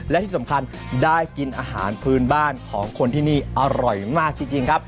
และที่สำคัญได้กินอาหารพื้นบ้านของคนที่นี่อร่อยมากจริงครับ